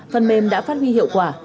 phần mềm đã phát huy hiệu quả